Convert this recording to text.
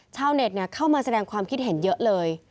ชาวเน็ตเข้ามาแสดงความคิดเห็นเยอะเลย